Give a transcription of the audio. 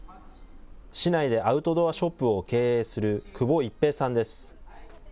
市内でアウトドアショップを経営する久保一平さんです。